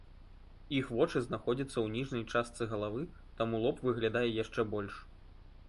Іх вочы знаходзяцца ў ніжняй частцы галавы, таму лоб выглядае яшчэ больш.